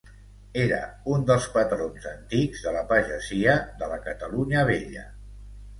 Era un dels patrons antics de la pagesia de la Catalunya Vella.